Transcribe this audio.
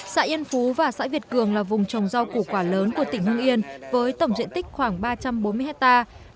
xã yên phú và xã việt cường là vùng trồng rau củ quả lớn của tỉnh hưng yên với tổng diện tích khoảng ba trăm bốn mươi hectare